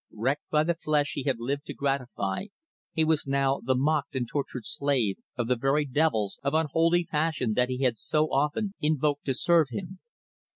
Wrecked by the flesh he had lived to gratify, he was now the mocked and tortured slave of the very devils of unholy passion that he had so often invoked to serve him.